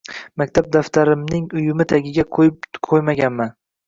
maktab daftarlarimning uyumi tagiga qo‘yib qo‘ymaganman.